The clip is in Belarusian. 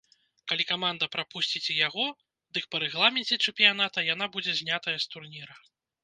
Калі каманда прапусціць і яго, дык па рэгламенце чэмпіяната яна будзе знятая з турніра.